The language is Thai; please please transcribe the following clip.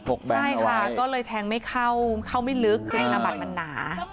ใช่ค่ะก็เลยแทงไม่เข้าเข้าไม่ลึกคือธนบัตรมันหนา